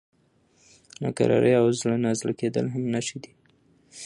ناکراري او زړه نازړه کېدل هم نښې دي.